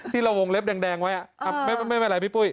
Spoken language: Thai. ที่เราวงเล็บแดงไว้ไม่เป็นไรพี่ปุ้ย